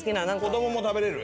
子どもも食べれる？